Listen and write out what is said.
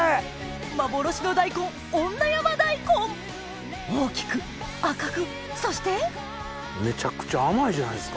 幻の大根女山大根大きく赤くそしてめちゃくちゃ甘いじゃないですか。